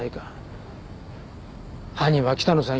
犯人は北野さん